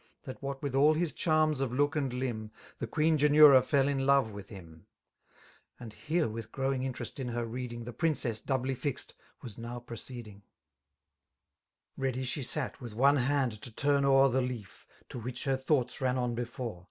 That ^h^ ^ith Ml hM i^mftt^ df lodk and liinb, ' The Queen Geneuftt fdl in^ lifire wifk Mlii ^* And here, with growing interest in herTeading> The princess^ doubly fixed^ was now proceeding. ••• Ready slie sat with one hand to turn o'er The leaf, to which her thoughts ran on before.